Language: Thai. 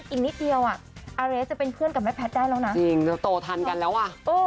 อีกนิดเดียวอ่ะอาเรสจะเป็นเพื่อนกับแม่แพทย์ได้แล้วนะจริงจะโตทันกันแล้วอ่ะ